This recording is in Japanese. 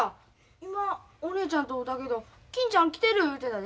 今お姉ちゃんと会うたけど金ちゃん来てる言うてたで。